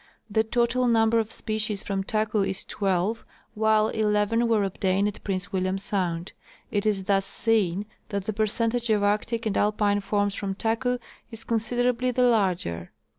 The total number of species from Taku is twelve, vi^hile eleven were obtained at Prince William sound. It is thus seen that the percentage of arctic and alpine forms from Taku is considerably the larger.